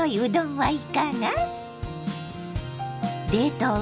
はい。